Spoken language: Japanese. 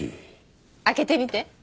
開けてみて。